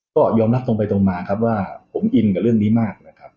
ก็ยอมรับตรงไปตรงมาครับว่าผมอินกับเรื่องนี้มากนะครับ